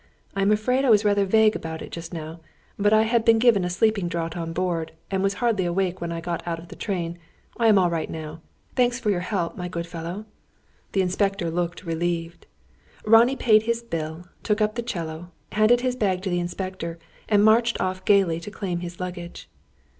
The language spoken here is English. I am afraid I was rather vague about it just now; but I had been given a sleeping draught on board, and was hardly awake when I got out of the train. I am all right now. Thanks for your help, my good fellow." The inspector looked relieved. Ronnie paid his bill, took up the 'cello, handed his bag to the inspector, and marched off gaily to claim his luggage.